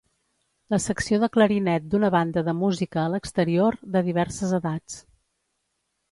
La secció de clarinet d'una banda de música a l'exterior, de diverses edats.